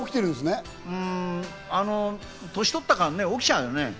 年取ったからね、起きちゃうよね。